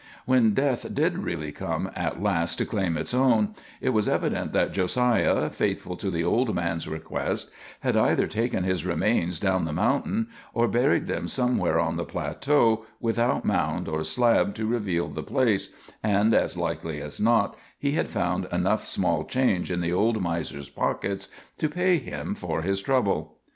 When death did really come at last to claim its own, it was evident that Josiah, faithful to the old man's request, had either taken his remains down the mountain or buried them somewhere on the plateau without mound or slab to reveal the place, and, as likely as not, he had found enough small change in the old miser's pockets to pay him for his trouble.